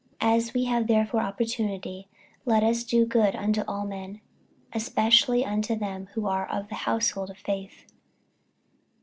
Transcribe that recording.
48:006:010 As we have therefore opportunity, let us do good unto all men, especially unto them who are of the household of faith.